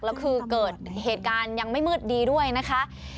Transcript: แล้วคือเกิดเหตุการณ์ยังไม่มืดดีด้วยนะคะ